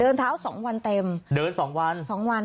เดินเท้าสองวันเต็มเดินสองวัน